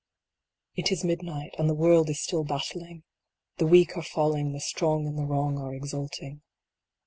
It is midnight, and the world is still battling the weak are falling, the strong and the wrong are exulting.